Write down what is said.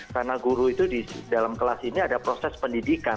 karena guru itu di dalam kelas ini ada proses pendidikan